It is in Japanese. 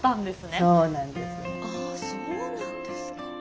ああそうなんですか。